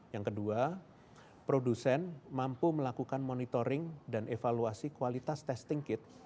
yang kedua produsen mampu melakukan monitoring dan evaluasi kualitas testing kit